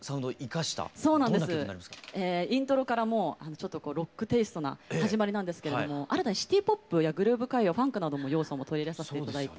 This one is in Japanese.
イントロからもうちょっとロックテーストな始まりなんですけれども新たにシティーポップやグルーヴ歌謡ファンクなどの要素も取り入れさせて頂いて。